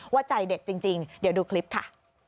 ว่าใจเด็กจริงเดี๋ยวดูคลิปค่ะ